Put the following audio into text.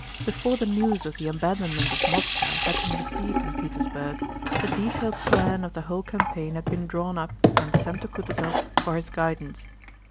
Before the news of the abandonment of Moscow had been received in Petersburg, a detailed plan of the whole campaign had been drawn up and sent to Kutúzov for his guidance.